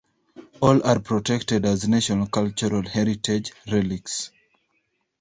All are protected as national cultural heritage relics.